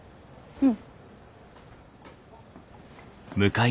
うん。